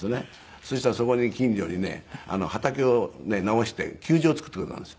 そしたらそこに近所にね畑を直して球場を造ってくれたんですよ。